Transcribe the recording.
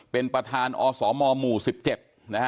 เป็นประธานอสมหมู่สิบเจ็ด